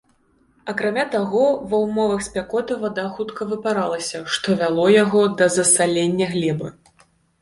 Акрамя таго, ва ўмовах спякоты вада хутка выпаралася, што вяло яго да засалення глебы.